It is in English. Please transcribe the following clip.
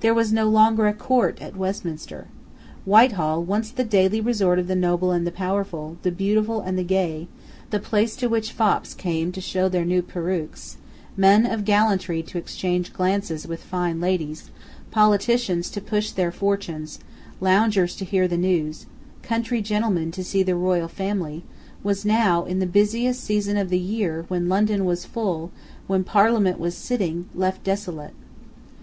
There was no longer a Court at Westminster. Whitehall, once the daily resort of the noble and the powerful, the beautiful and the gay, the place to which fops came to show their new peruques, men of gallantry to exchange glances with fine ladies, politicians to push their fortunes, loungers to hear the news, country gentlemen to see the royal family, was now, in the busiest season of the year, when London was full, when Parliament was sitting, left desolate.